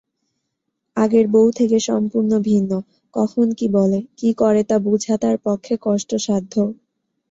আগের বউ থেকে সম্পূর্ণ ভিন্ন, কখন কী বলে, কী করে তা বুঝা তার পক্ষে কষ্টসাধ্য।